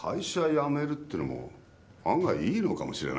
辞めるってのも案外いいのかもしれないな。